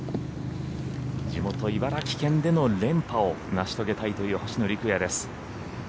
地元・茨城県での連覇を成し遂げたいという星野陸也です。